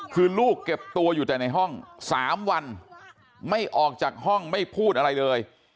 คือลูกเก็บตัวอยู่แต่ในห้อง๓วันไม่ออกจากห้องไม่พูดอะไรเลย